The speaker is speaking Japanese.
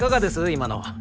今の。